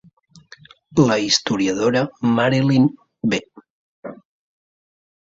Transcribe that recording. La historiadora Marilyn B.